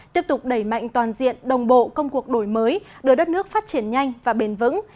tiếp tục đẩy mạnh toàn diện đồng bộ công cuộc đổi mới đưa đất nước phát triển nhanh và bền vững